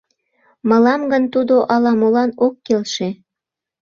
— Мылам гын тудо ала-молан ок келше.